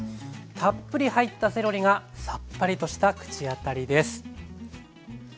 たっぷり入ったセロリがさっぱりとした口当たりです。